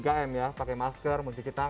kira kira apa sih yang harus disiapin